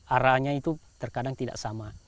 arahnya itu terkadang tidak sama